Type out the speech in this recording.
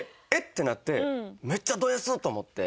なってめっちゃドＳ！と思って。